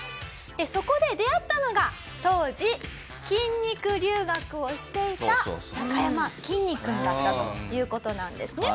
そこで出会ったのが当時筋肉留学をしていたなかやまきんに君だったという事なんですね。